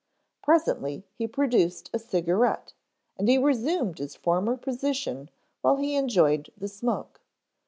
Presently he produced a cigarette and he resumed his former position while he enjoyed the smoke.